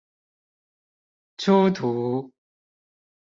出圖